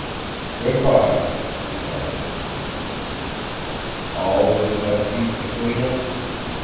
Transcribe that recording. "Good by," replied Ned Trent. "All is at peace between us?"